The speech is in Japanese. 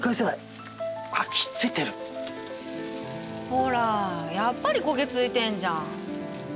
ほらやっぱり焦げついてんじゃん。